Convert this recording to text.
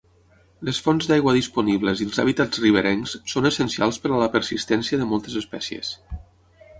Les fonts d'aigua disponibles i els hàbitats riberencs són essencials per a la persistència de moltes espècies.